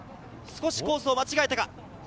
少しコースを間違えたか？